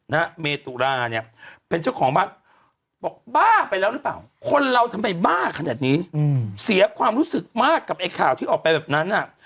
นะฮะเมตุลาเนี่ยเป็นเจ้าของบ้านบอกบ้าไปแล้วหรือเปล่าคนเราทำไมบ้าขนาดนี้อืมเสียความรู้สึกมากกับไอ้ข่าวที่ออกไปแบบนั้นอ่ะ